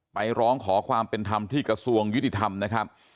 ร้องขอความเป็นธรรมที่กระทรวงยุติธรรมนะครับ